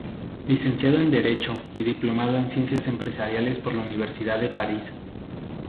Licenciado en Derecho y Diplomado en Ciencias Empresariales por la Universidad de París.